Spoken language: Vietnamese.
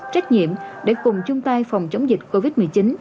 trách nhiệm để cùng chung tay phòng chống dịch covid một mươi chín